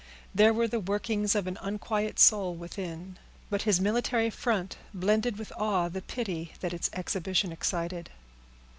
There were the workings of an unquiet soul within; but his military front blended awe with the pity that its exhibition excited.